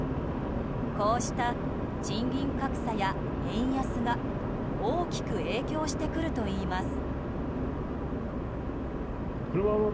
こうした賃金格差や円安が大きく影響してくるといいます。